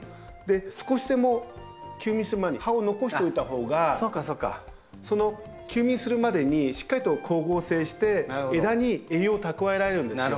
少しでも休眠する前に葉を残しておいたほうが休眠するまでにしっかりと光合成して枝に栄養を蓄えられるんですよ。